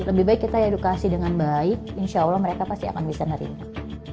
lebih baik kita edukasi dengan baik insya allah mereka pasti akan bisa nerima